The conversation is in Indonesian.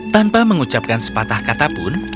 tanpa mengucapkan sepatah kata pun